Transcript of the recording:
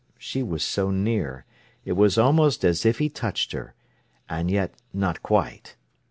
She was so near; it was almost as if he touched her, and yet not quite.